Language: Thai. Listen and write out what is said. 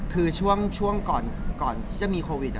คือช่วงก่อนที่จะมีโควิด